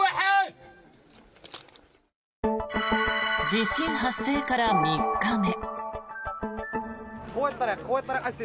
地震発生から３日目。